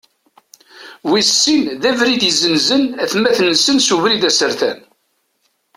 Wis sin, d wid izenzen atmaten-nsen s ubrid asertan.